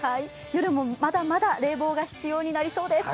夜もまだまだ冷房が必要になりそうです。